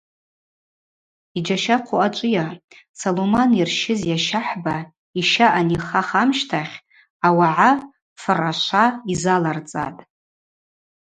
Йджьащахъву ачӏвыйа – Салуман йырщыз йащахӏба йща анихах амщтахь ауагӏа фыр ашва йзаларцӏатӏ.